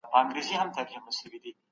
ښځې له کاره منع شوې دي.